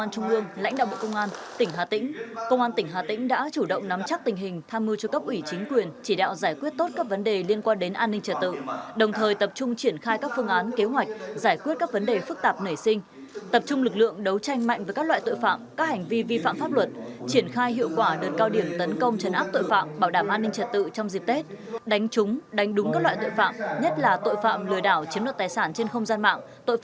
đảng ủy công an trung mương lãnh đạo bộ công an tỉnh hà tĩnh công an tỉnh hà tĩnh đã chủ động nắm chắc tình hình tham mưu cho cấp ủy chính quyền chỉ đạo giải quyết tốt các vấn đề liên quan đến an ninh trật tự đồng thời tập trung triển khai các phương án kế hoạch giải quyết các vấn đề phức tạp nảy sinh tập trung lực lượng đấu tranh mạnh với các loại tội phạm các hành vi vi phạm pháp luật triển khai hiệu quả đợt cao điểm tấn công trấn áp tội phạm bảo đảm an ninh trật tự trong dịp t